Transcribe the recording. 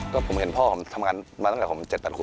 ก็ผมเห็นพ่อผมทำงานมาตั้งแต่ผมเจ็ดตัดหัว